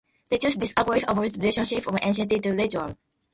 They thus disagreed about the relationship of anxiety to ritual.